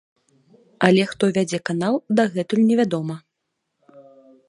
Але хто вядзе канал, дагэтуль невядома.